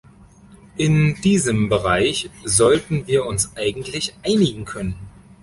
In diesem Bereich sollten wir uns eigentlich einigen können.